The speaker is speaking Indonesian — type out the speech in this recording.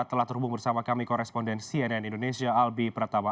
telah terhubung bersama kami koresponden cnn indonesia albi pratama